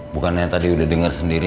bukannya tadi udah denger sendiri